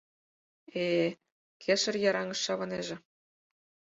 Э-э... кешыр йыраҥыш шавынеже.